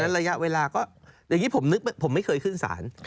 ในระยะเวลาก็อย่างงี้ผมเหมือนเป็นผมไม่เคยขึ้นศาล